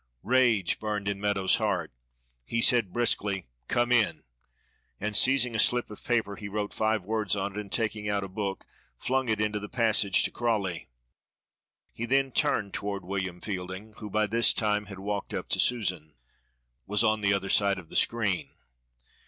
Rage burned in Meadows' heart. He said bruskly, "Come in," and seizing a slip of paper he wrote five words on it, and taking out a book flung it into the passage to Crawley. He then turned toward W. Fielding, who by this time had walked up to Susan. Was on the other side of the screen.